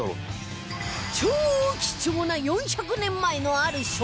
超貴重な４００年前のある職人技